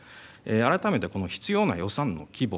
改めてこの必要な予算の規模